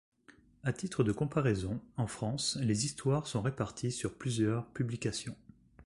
À titre de comparaison, en France les histoires sont réparties sur plusieurs publications.